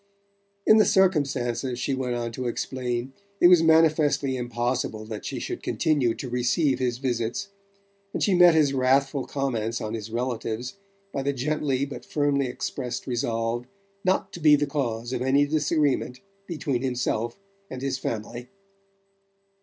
In the circumstances, she went on to explain, it was manifestly impossible that she should continue to receive his visits; and she met his wrathful comments on his relatives by the gently but firmly expressed resolve not to be the cause of any disagreement between himself and his family.